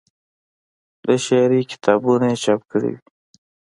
د شاعرۍ کتابونه یې چاپ کړي دي